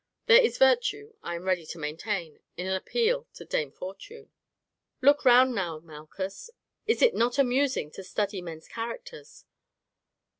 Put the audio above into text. There is virtue, I am ready to maintain, in an appeal to dame Fortune. "Look round now, Malchus, is it not amusing to study men's characters.